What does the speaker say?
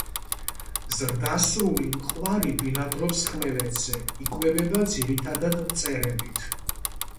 ზრდასრული მყვარი ბინადრობს ხმელეთზე, იკვებება ძირითადად მწერებით.